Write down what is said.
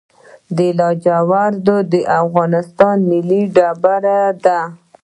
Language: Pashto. آیا لاجورد د افغانستان ملي ډبره ده؟